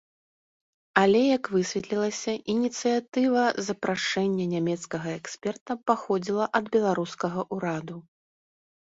Але, як высветлілася, ініцыятыва запрашэння нямецкага эксперта паходзіла ад беларускага ураду.